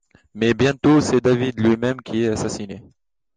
Mais bientôt c'est David lui-même qui est assassiné.